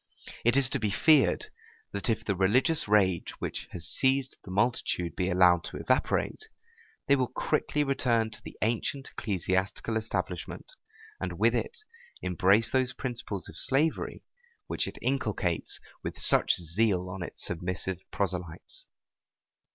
It is to be feared, that if the religious rage which has seized the multitude be allowed to evaporate, they will quickly return to the ancient ecclesiastical establishment; and with it embrace those principles of slavery which it inculcates with such zeal on its submissive proselytes.